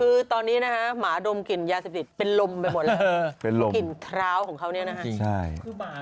คือตอนนี้นะฮะหมาดมกลิ่นยาเสพติดเป็นลมไปหมดแล้ว